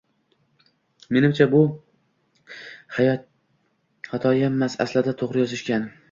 Menimcha, bu xatoyammas, aslida, toʻgʻri yozishgan.